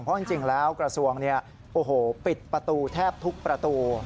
เพราะจริงแล้วกระทรวงปิดประตูแทบทุกประตู